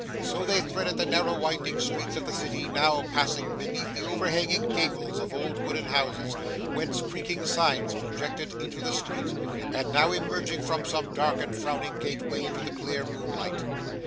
So they threaded the narrow winding streets of the city, now passing beneath the overhanging gables of old wooden houses whence creaking signs projected into the street, and now emerging from some dark and frowning gateway into the clear moonlight.